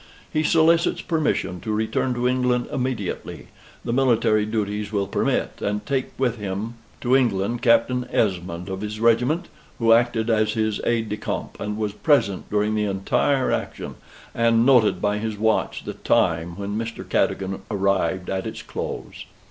He solicits permission to return to England immediately the military duties will permit, and take with him to England Captain Esmond, of his regiment, who acted as his aide de camp, and was present during the entire action, and noted by his watch the time when Mr. Cadogan arrived at its close."